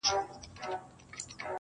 • له مستۍ به یې په ډزو کي شیشنی سو -